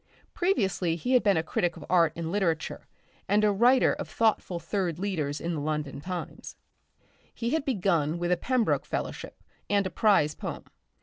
Previously he had been a critic of art and literature and a writer of thoughtful third leaders in the London Times. He had begun with a Pembroke fellowship and a prize poem.